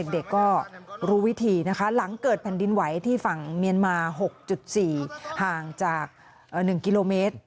เด็กก็รู้วิธีนะคะหลังเกิดแผ่นดินไหวที่ฝั่งเมียนมา๖๔ห่างจาก๑กิโลเมตร